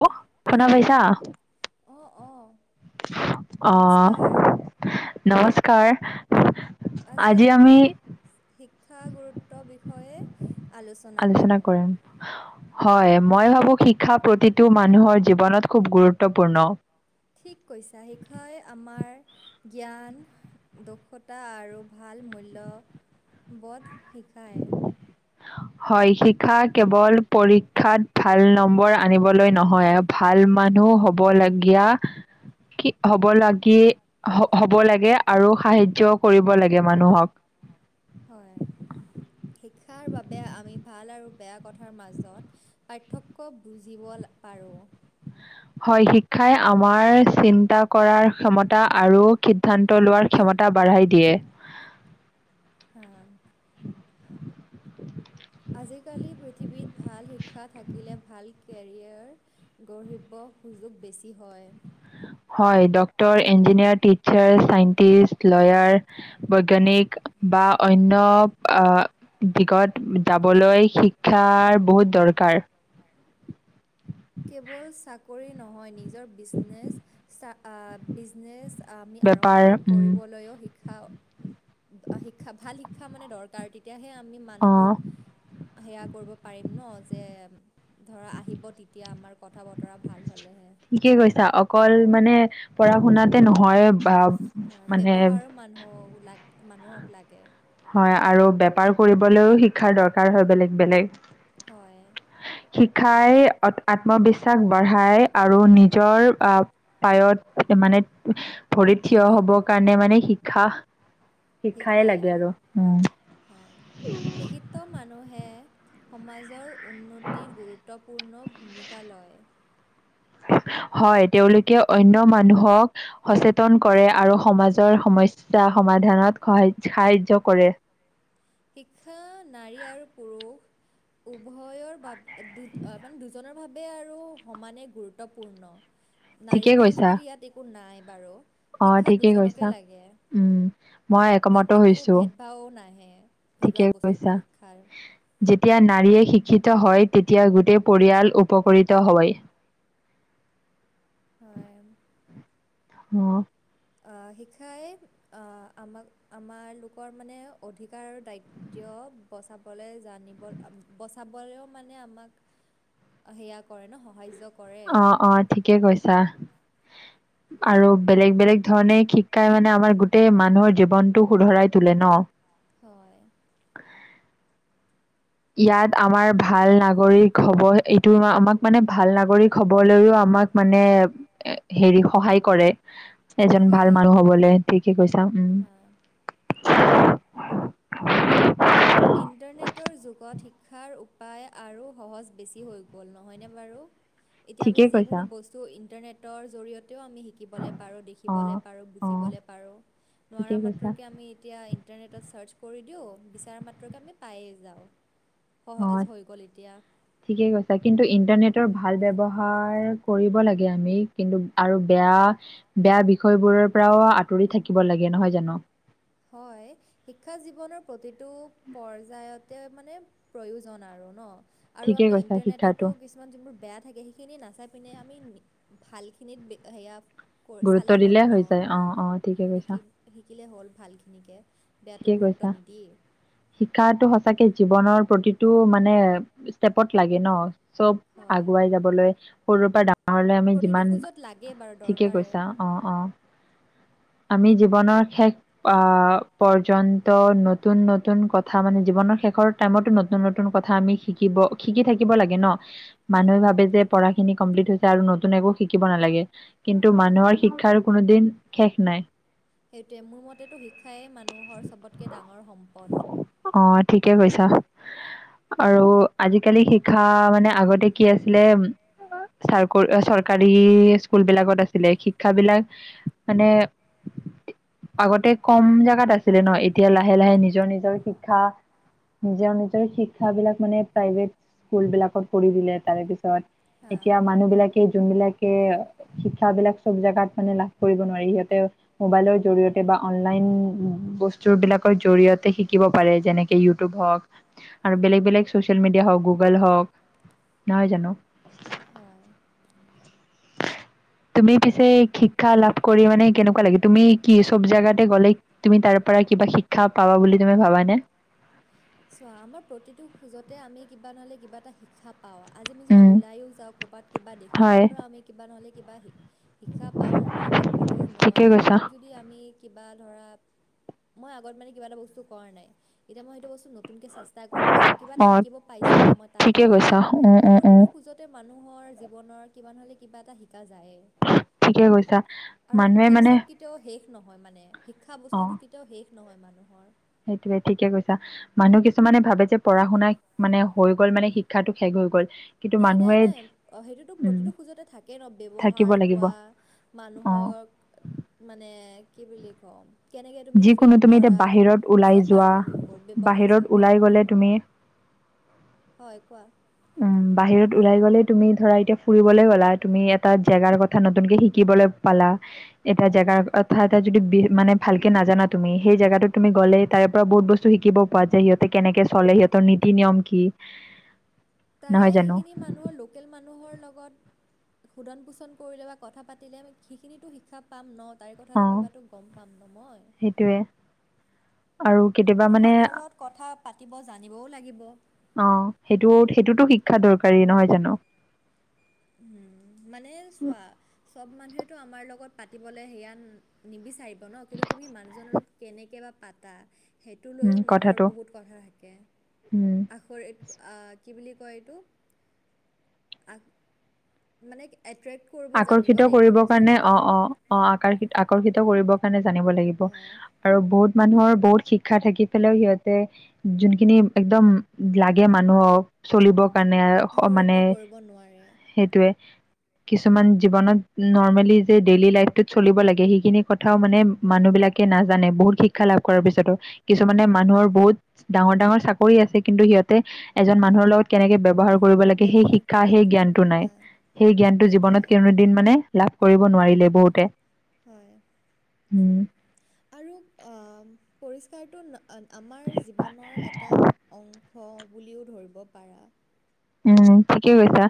[unintelligible] শুনা হয় পাইছা? অঁ অঁ অ, নমস্কাৰ নমস্কাৰ। আজি আমি শি শিক্ষা গুৰুত্ব বিষয়ে আলোচনা কৰিম। হয়, মই ভাবো শিক্ষা প্ৰতিটো মানুহৰ জীৱনত খুব গুৰুত্বপূৰ্ণ। ঠিক কৈছা। শিক্ষাই আমাৰ জ্ঞান, দক্ষতা আৰু ভাল মূল্য বধ শিকায়। হয়, শিক্ষা কেৱল পৰীক্ষাত ভাল নম্বৰ আনিবলৈ নহয়। ভাল ভাল মানুহ হ'ব লাগীয়া কি হ'ব লাগি হ-হ'ব লাগে, আৰু সাহায্যও কৰিব লাগে মানুহক। [inaudible] হয়। শিক্ষাৰ বাবে আমি ভাল আৰু বেয়া কথাৰ মাজত পাৰ্থক্য বুজিব লা পাৰোঁ। [inaudible] হয়, শিক্ষাই আমাৰ চিন্তা কৰাৰ ক্ষমতা আৰু সিদ্ধান্ত লোৱাৰ ক্ষমতা তাৰ বাঢ়াই দিয়ে। [unintelligible] আজিকালি পৃথিৱীত ভাল শিক্ষা থাকিলে ভাল কেৰিয়াৰ গঢ়িব সুযোগ বেছি হয়। হয়, doctor, engineer, teacher, scientist, lawyer বৈজ্ঞানিক বা অন্য আ দিগত যাবলৈ শিক্ষাৰ বহুত দ দৰকাৰ। কেৱল চাকৰি নহয় নি? [unintelligible] বিজনেছ চা আ বিজনেছ আমি বেপাৰ আৰম্ভ উম, কৰিবলৈও শিক্ষা আ শিক্ষা ভাল শিক্ষা শিক্ষা মানে দৰকাৰ তেতিয়াহে আমি অ', মানুহটোক, সেয়া কৰিব পাৰিম ন? যে ধৰা, আহিব তেতিয়া আমাৰ কথা-বতৰা ভাল হ'লে হে। ঠিকে কৈছা, অকল মানে পঢ়া-শুনাতে নহয় বা হয়, মানে ব্যৱহাৰো মানুহক লা মানুহক লাগে। হয় আৰু বেপাৰ কৰিবলৈও শিক্ষাৰ দৰকাৰ হয় বেলেগ, বেলেগ। হয়। শিকাই অ'ত আত্মবিশ্বাস বঢ়ায়। আৰু নিজৰ আ পায়ত মানে ভৰিত থিয় হ'ব কাৰণে মানে শিক্ষা শিকায় আৰু, অ, শিক্ষিত মানুহে সমাজৰ উন্নতিৰ গুৰুত্বপূৰ্ণ ভূমিকা লয়। [inaudible] হয় তেওঁলোকে অন্য মানুহক সচেতন কৰে আৰু সমাজৰ সমস্যা সমাধানত সহায্য সাহাৰ্য্য কৰে। শিক্ষা নাৰী আৰু পুৰুষ উভয়ৰ বাবে দু মানে দুজনৰ বাবে আৰু সমানে গুৰুত্বপূৰ্ণ। ঠিকে নাৰী পুৰুষ কৈছা, বুলি ইয়াত একো নাই বাৰু। অ শিক্ষা ঠিকেই দুজনকে কৈছা। লাগে উম মই তাত একমত একো হৈছো। ভেদভাৱ নাহে। ভেদুৱা ঠিকে বস্তুটো কৈছা শিক্ষাৰ যেতিয়া নাৰীয়ে শি শিক্ষিত হয় তেতিয়া গোটেই পৰিয়াল উপকৃত হয়। [inaudible] [unintelligible] শিক্ষাই আমাক আমাৰ লোকৰ মানে অধিকাৰ আৰু দায়িত্ব [unintelligible] সেয়া কৰে ন'সহায্য অ' অ' ঠিকে কৈছা। আৰু বেলেগ বেলেগ ধৰণে শিক্ষাই মানে আমাৰ গোটেই মানুহৰ জীৱনটো শুধৰাই তোলে ন'? হয়। ইয়াত আমাৰ ভাল নাগৰিক হ'ব এইটো আমাক মানে ভাল নাগৰিক হবলৈও আৰু আমাক মানে হেৰি সহায় কৰে। এজন শিকায় ভাল আৰু মানুহ ন হ'বলৈ ঠিকে কৈছা উম। ইণ্টাৰনেটৰ যুগত শিক্ষাৰ উপায় আৰু সহজ বেছি হৈ গ'ল নহয়নে বাৰু? এতিয়া আমি ঠিকে কৈছা যিকোনো বস্তু ইণ্টাৰনেটৰ জৰিয়তে তেওঁ আমি শিকিবলে পাৰোঁ অ দেখিবলে পাৰোঁ অ বুজিবলে পাৰোঁ ঠিকে নোৱাৰা কৈছা মাত্ৰকে আমি এতিয়া ইণ্টাৰনেটত ছাৰ্চ কৰি দিওঁ বিচৰা মাত্ৰকে আমি পায়েই যাওঁ। সহজ অ' হৈ গ'ল এতিয়া ঠিকে কৈছা কিন্তু ইণ্টাৰনেট নেটৰ ভাল ব্যৱহাৰ কৰিব লাগে আমি কিন্তু আৰু বেয়া বেয়া বিষয়বোৰ পৰাওঁ আঁতৰি থাকিব লাগে নহয় জানোঁ? হয় শিক্ষা জীৱনৰ প্ৰতিটো পৰ্যায়ত তে মানে প্ৰয়োজন আৰু ন '। আৰু ঠিকে আমি কৈছা শিক্ষাটো ইণ্টাৰনেটতো কিছুমান যোনবোৰ বেয়া থাকে সেইখিনি নাচাই পিনে আমি ভালখিনিত সেয়া ক গুৰুত্ব চালে হ'ল দিলে হৈ ন' যায় অ অ ঠিকে কৈছা শিকি শিকিলেই হ'ল ভালখিনিকে। বেয়াটো ঠিকেই গুৰুত্ব কৈছা নিদি শিক্ষাটো সঁচাকে জীৱনৰ প্ৰতিটো মানে ষ্টেপ ত লাগে ন' চ' হয় আগুৱাই যাবলৈ। সৰুৰ পৰা ডাঙৰ [unintelligible] প্ৰতিটো যিমান খোজত লাগে বাৰু ঠিকেই দৰকাৰে কৈছা অ অ আমি জীৱনৰ শেষ অহ পৰ্যন্ত নতুন নতুন কথা মানে জীৱনৰ শেষৰ টাইমতো নতুন নতুন কথা আমি শিকিম। ব শিকি থাকিব লাগে ন'। মানুহে হয় ভাবে যে পঢ়াখিনি কমপ্লিট হৈছে আৰু নতুন একো শিকিব নালাগে। কিন্তু হয় মানুহৰ শিক্ষাৰ কোনোদিন শেষ নাই। সেইটোৱে মোৰ মতেটো শিক্ষাই মানুহৰ চবতকে ডাঙৰ সম্পদ। অ ঠিকে কৈছা। আৰু আজিকালি শিক্ষা মানে আগতে কি আছিলে। চাৰকুল চৰকাৰী স্কুলবিলাকত আছিলে শিক্ষাবিলাক মানে আগতে কম যাক গাত আছিলে ন' এতিয়া লাহে লাহে নিজৰ নিজৰ শিক্ষা নিজৰ নিজৰ শিক্ষাবিলাক মানে প্ৰাইভেট স্কুলবিলাকত পঢ়ি দিলে তাৰেপিছত হা এতিয়া মানুহবিলাকে যোনবিলাকে কে শিক্ষাবিলাক চব জেগাত মানে লাভ কৰিব নোৱাৰি সিহঁতে মোবাইলৰ জৰিয়তে বা অনলাইন উম, বস্তুবিলাকৰ জৰিয়তে শিকিব পাৰে যেনেকে ইউটোব হয় আৰু বেলেগ বেলেগ চ'চিয়েল চিয়েল মিডিয়া হ'ক, গুগল হ'ক, নহয় জানো। হয় তুমি পিছে শিক্ষা লাভ কৰি মানে কেনেকুৱা লাগে? তুমি কি চব জাগাতে গ'লে তুমি তাৰ পৰা কিবা শিক্ষা পাবা বুলি তুমি ভাবানে? চোৱা আমাৰ প্ৰতিটো খোজতে আমি কিবা নহ'লে কিবা এটা শিক্ষা অ', আজি আমি যদি উম ওলায়ো যাওঁ ক'বাত কিবা দেখোঁ, হয় তাৰপৰা আমি কিবা নহ'লে কিবা শিক শিক্ষা পাওঁ ন' বা বুজো ন' ঠিকে এতিয়া কৈছা নতুন যদি আমি কিবা ধৰা মই আগত মানে কিবা এটা বস্তু কৰা নাই এতিয়া মই সেইটো বস্তু ন তুনকে চেষ্টা কৰিছোঁ কিবা এটা অ শিকিব পাইছোঁ ন' মই তাৰ ঠিকে পৰাও কৈছা উম ত' উম উম প্ৰতিটো খোজতে মানুহৰ জীৱনৰ কিবা নহ'লে কিবা এটা শিকা যায়ে। ঠিকে কৈছা আৰু মানুহে এই মানে চব কেতিয়াও শেষ নহয় মানে, শিক্ষা অ বস্তুটো কেতিয়াও শেষ নহয় মানুহৰ। সেইটোৱে ঠিকে কৈছা, মানুহ কিছুমানে ভাবে যে পঢ়া-শুনা মানে হৈ গ'ল মানে শিক্ষাটো শেষ হৈ গ'ল। কিন্তু নাই, নাই, মানুহে নাই, সেইটোতো উম প্ৰতিটো খোজতে থাকেই ন' থাকিব ব্যৱহাৰ লাগিব কোৱা অ মানুহক মানে কি বুলি ক'ম কেনেকে তুমি ট্ৰিট যিকোনো তুমি এতিয়া কৰা বাহিৰত ওলাই চব যোৱা আৰু সেইবোৰ ব্যৱহাৰ বাহিৰত চেৱহাৰ ওলাই মানে গলে চব তুমি [inaudible] হয়, কোৱা উম বাহিৰত ওলাই গ'লে তুমি ধৰা এতিয়া ফুৰিবলৈ গ'লা তুমি এটা জেগাৰ কথা নতুনকে শিকিবলৈ পালা এটা জেগা অৰ্থাৎ এটা যদি বি মানে ভালকৈ নাজানা তুমি সেই জেগাটো তুমি গ'লে তাৰে পৰা বহুত বস্তু শিকিব পোৱা যে সিহঁতে কেনেকৈ চলে সিহঁতৰ নিয়ম কি? তাৰে নহয় জানো সেইখিনি মানুহৰ লোকেল মানুহৰ লগত শোধন পোষণ কৰিলে বা কথা পাতিলে আমি সেইখিনিতো শিক্ষা পাম ন তাইৰ অ কথাটো কিবাটো গম পাম ন মই সেইটোয়ে আৰু কেতিয়াবা কিন্তু মানে মানুহৰ লগত কথা পাতিব জানিবও লাগিব অ', সেইটো সেইটোতো শিক্ষা দৰকাৰী নহয় জানো উম, মানে চোৱা চব মানুহেতটো আমাৰ লগত পাতিবলে সেয়া নিবিচাৰিব ন কিন্তু তুমি মানুহজনৰ লগত কেনেকে বা পাতা সেইটো উম লৈয়ও মানুহৰ কথাটো বহুত কথা থাকে উম আখৰিত কি বুলি কয় এইটো আ মানে জানিব আকৰ্ষিত লাগিব কৰিবৰ নিজৰ কাৰণে অ', কথাৰে অ', অ', আকৰ্ষিত, আকৰ্ষিত কৰিবৰ কাৰণে জানিব লাগিব অঁ আৰু বহুত মানুহৰ বহুত শিক্ষা থাকি পাইও সিহঁতে যোনখিনি একদম লাগে মানুহক চলিবৰ কাৰণে আকৰ্ষিত মানে কৰিব নোৱাৰে সেইটোৱে কিছুমান জীৱনত নৰ্মেলি যে ডেইলি লাইফটোত চলিব লাগে সেইখিনি কথাও মানে মানুহ বিলাকে নাজানে বহুত শিক্ষা লাভ কৰাৰ পিছতো কিছুমানে মানুহৰ বহুত, ডাঙৰ ডাঙৰ চাকৰি আছে কিন্তু সিহঁত এজন মানুহৰ লগত কেনেকে ব্যয়ৱহাৰ কৰিব লাগে সেই ব্যৱহাৰ শিক্ষা কিহেন সেই জ্ঞানটো নাই হা সেই জ্ঞানতটো সেইটোৱে জীৱনত কনোদিন মানে লাভ কৰিব নোৱাৰিলে বহুতে হয়। উম আৰু পৰিষ্কাৰটো আমাৰ জীৱনৰ এটা অংশ খ বুলিও ধৰিব পাৰা উম, ঠিকে কৈছা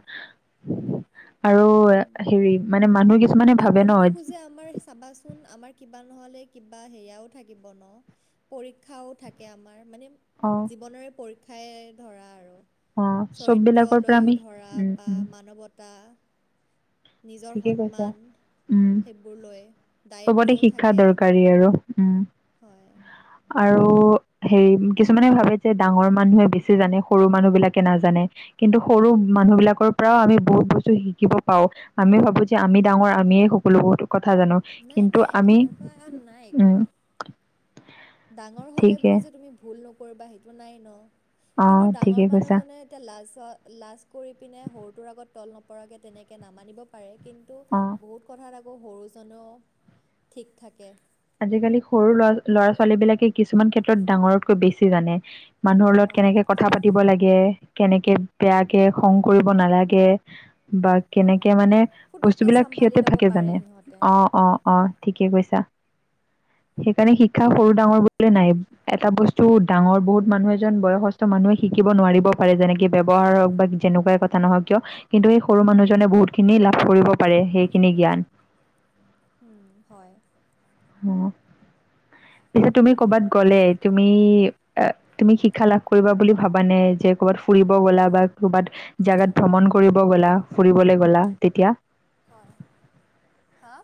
আৰু হেৰি মানে মানুহ কিছুমানে আৰু ভাবে ন প্ৰতিটো খোজে আমাৰ চাবাচোন আমাৰ কিবা নহলে কিবা হেয়াও থাকিব ন পৰীক্ষাও থাকে আমাৰ মানে অ জীৱনেৰে পৰ উঠাই ধৰা আৰু অ চব চৰিত্ৰ বিলাকৰ পৰা লৈও আমি ধৰা উম বা উম মানৱতা নিজৰ ঠিকে কৈছা সন্মান উম সেইবোৰ লৈ চবতে দায়িত্বও শিক্ষা থাকে দৰকাৰী আৰু উম হয় আৰু হেৰি কিছুমানে ভাবে যে, ডাঙৰ মানুহে বেছি জানে সৰু মানুহ বিলাকে নাজানে কিন্তু সৰু মানুহ বিলাকৰ পৰাও আমি বহুত বস্তু শিকিব পাও। আমি ভাবো যে আমিও ডাঙৰ আমিয়ে সকলো বোৰ কথা জানো নাই কিন্তু নাই আমি এনেকুৱা নাই উম একো ডাঙৰ হ'লে ঠিকে বুলি যে তুমি ভুল নকৰিবা, সেইটো নাই ন অ কিন্তু ঠিকে ডাঙৰ কৈছা মানুহজনে এতিয়া লাজ, লাজ কৰি পিনে সৰুটোৰ আগত তল নপ পৰাকে তেনেকে নামানিব পাৰে কিন্তু অ বহুত কথাত আক আকৌ সৰুজনো ঠিক থাকে আজিকালি সৰু ল'ৰা, ল'ৰা ছোৱালী বিলাকে কিছুমান ক্ষেত্ৰত ডাঙৰতকৈ বেছি জানে মানুহৰ লগত হয় কেনেকে কথা পাতিব লাগে কেনেকে বেয়াকে খং কৰিব নালাগে বা হয় কেনেকে মানে বস্তু ফুটুককৈ বিলাক চম্ভালি সিহঁতে ল'ব থাকে পাৰে জানে। সিহঁতে অ', অ', অ', থিক। কি কৈছা? সেইকাৰণে শিক্ষা সৰু ডাঙৰ বুলি নাই, এটা বস্তু ডাঙৰ বহুত মানুহ এজন বয়সস্থ মানুহ শিকিব নোৱাৰিব পাৰে, যেনেকে ব্যৱহাৰ হওক বা যেনেকুৱাই কথা নহওক কিয় কিন্তু এই সৰু মানুহজনে বহুত খিনি লাভ কৰিব পাৰে সেইখিনি জ্ঞান। উম, হয়। অ', পিছে তুমি ক'ৰবাত গ'লে তুমি, তুমি শিক্ষা লাভ কৰিবা বুলি ভাবানে, যে ক'ৰবাত ফুৰিব গ'লা, বা ক'ৰবাত জাগাত ভ্ৰমণ কৰিব গ'লা, ফুৰিবলৈ গ'লা তেতিয়া হয়, হা।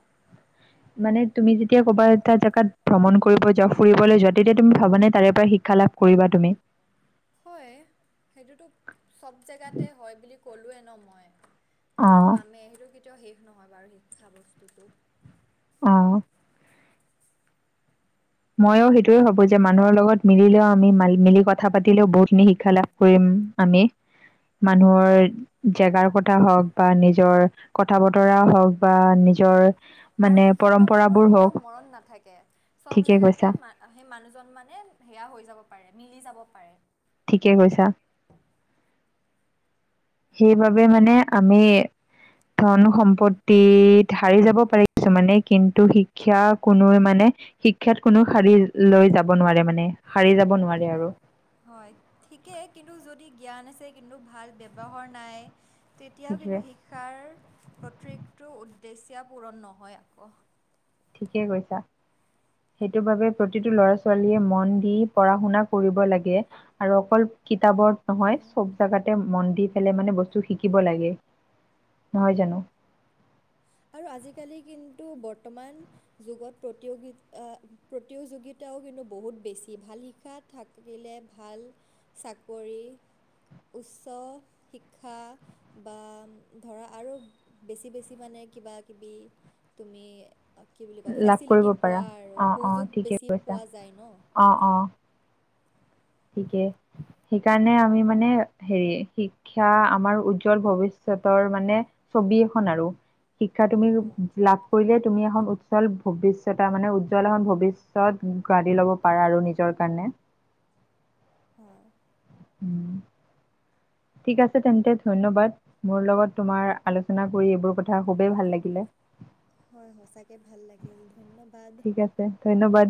মানে তুমি যেতিয়া ক'বা এটা জাগাত ভ্ৰমণ কৰিব যাওঁ, ফুৰিবলৈ যাওঁ। তেতিয়া তুমি ভাবানে তাৰে পৰা শিকা শিক্ষা লাভ কৰিবা তুমি? হয়, সেইটোতো চব জেগাতে হয় বুলি ক'লোৱে ন মই সেইটোটো অঁ পামেই, সেইটো কেতিয়াও শেষ নহয় বাৰু শিক্ষা বস্তুটো অ', ময়ো সেইটোৱে ভাবোঁ যে, মানুহৰ লগত মিলিলেও আমি মাৰি- মিলি কথা পাতিলেও বহুতখিনি শিক্ষা লাভ কৰিম। আমি। মানুহৰ জেগাৰ কথা হওঁক, বা নিজৰ কথা বতৰা হওঁক, বা নিজৰ আৰু মানে শিক্ষিত মানুহৰ পৰম্পৰাবোৰ হওক কেতিয়াও মৰণ নাথাকে। চব চব ঠিকে জেগাতে, কৈছা সেই মানুহজন মানে সেয়া হৈ যাব পাৰে, মিলি যাব পাৰে। ঠিকে কৈছা। সেইবাবে মানে আমি ধন সম্পত্তিত হাৰি যাব পাৰে কিছুমানে, কিন্তু শিক্ষা কোনোৱে মানে শিক্ষাত কোনো হাৰি লৈ যাব নোৱাৰে মানে, হাৰি যাব নোৱাৰে আৰু। হয় ঠিকে, কিন্তু যদি জ্ঞান আছে কিন্তু ভাল ব্যৱহাৰ নাই তেতিয়াও সেইটোৱে কিন্তু শিক্ষাৰ প্ৰত্যেকটো উদ্দেশ্যা পূৰণ নহয় আক। ঠিকে কৈছা। সেইটো বাবে প্ৰতিটো ল'ৰা ছোৱালীয়ে মন দি পঢ়া শুনা কৰিব লাগে, আৰু অকল কিত কিতাপত নহয় উম চব জাগাতে মন দি পেলাই মানে বস্তু শিকিব লাগে। নহয় জানো? আৰু আজিকালি কিন্তু বৰ্তমান যুগত, প্ৰতিয়োগিত, আ প্ৰতিযোগিতা তায়ো কিন্তু বহুত বেছি। ভাল শিক্ষা থাকিলে ভাল চাকৰি, উচ্চ শিক্ষা বা ধৰা আৰু বেছি বেছি মানে কিবা কিবি তুমি কি বুলি কয় লাভ ফেচিলিটি কৰিব পোৱা পাৰা আৰু অঁ অঁ সুযোগ ঠিকে বেছি কৈছা পোৱা যায় ন। অঁ অঁ ঠিকে, সেইকাৰণে আমি মানে হেৰি শিক্ষা আমাৰ উজ্জ্বল ভৱিষ্যত ষতৰ মানে ছবি এখন আৰু শিক্ষা তুমি লাভ কৰিলে তুমি এখন উজ্জল ভৱিষ্যতা মানে, উজ্জ্বল এখন ভৱিষ্যত গাঁঠি ল'ব পাৰা আৰু নিজৰ কাৰণে। [inaudible] [inaudible] উম। ঠিক আছে তেন্তে ধন্যবাদ মোৰ লগত তোমাৰ আলোচনা কৰি এইবোৰ কথা খুবেই ভাল লাগিলে। হয় সঁচাকে ভাল লাগিল ধন্যবাদ। ঠিক আছে ধন্যবাদ